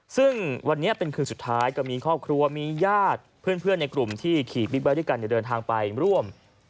ซึ่งวันนี้เป็นคืนสุดท้ายก็มีครอบครัวมีญาติเพื่อนในกลุ่มที่ขี่บิ๊กไบท์ด้วยกันเดินทางไปร่วม